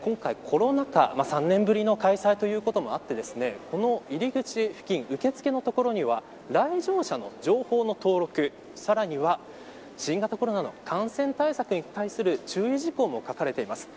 今回はコロナ禍、３年ぶりの開催ということもあってこの入り口付近受け付けの所には来場者の情報の登録、さらには新型コロナの感染対策に対する注意事項も書かれています。